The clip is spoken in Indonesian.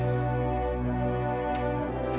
saya ingin mengambil alih dari diri saya